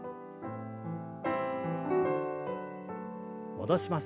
戻します。